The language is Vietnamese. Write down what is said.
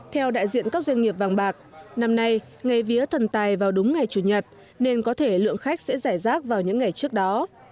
theo đại diện các doanh nghiệp vàng bạc năm nay ngày vía thần tài vào đúng ngày chủ nhật nên có thể lượng khách sẽ rẻ rác vào những ngày trước đó